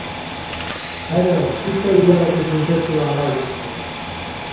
ХӀера чи сай вара ит нушачивяхӀ лявкьуси?